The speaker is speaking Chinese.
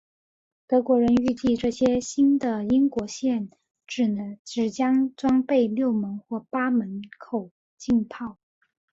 德国人预计这些新的英国舰只将装备六门或八门口径炮。